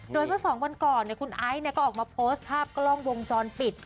โดยเมื่อ๒วันก่อนคุณไอซ์ก็ออกมาโพสต์ภาพกล้องวงจรปิด